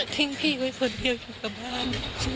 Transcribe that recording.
ทิ้งพี่ไว้คนเดียวอยู่กับบ้าน